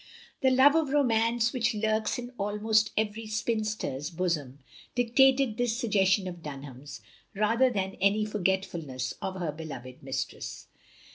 The love of romance which lurks in almost every spinster's bosom, dictated this suggestion of Dunham's, rather than any forgetfulness of her beloved mistress.